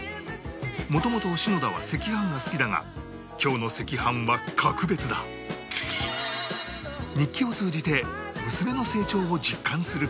元々篠田は赤飯が好きだが今日の赤飯は格別だする事も